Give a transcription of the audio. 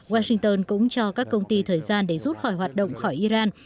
washington cũng cho các công ty thời gian để rút khỏi hoạt động khỏi iran